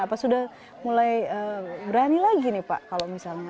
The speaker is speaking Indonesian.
apa sudah mulai berani lagi nih pak kalau misalnya